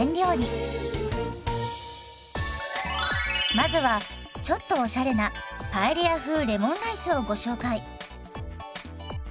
まずはちょっとおしゃれなパエリア風レモンライスをご紹介。